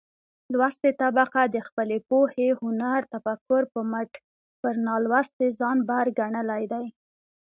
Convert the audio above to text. لوستې طبقه د خپلې پوهې، هنر ،تفکر په مټ پر نالوستې ځان بر ګنلى دى.